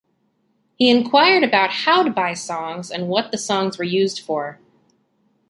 He inquired about how to buy songs and what the songs were used for.